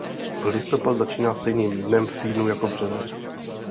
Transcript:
Listopad začíná stejným dnem v týdnu jako březen.